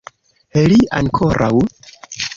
Li ankoraŭ!